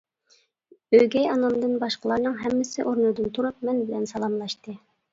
ئۆگەي ئانامدىن باشقىلارنىڭ ھەممىسى ئورنىدىن تۇرۇپ مەن بىلەن سالاملاشتى.